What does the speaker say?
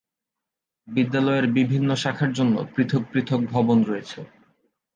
বিদ্যালয়ের বিভিন্ন শাখার জন্য পৃথক পৃথক ভবন রয়েছে।